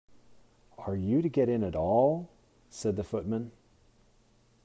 ‘Are you to get in at all?’ said the Footman.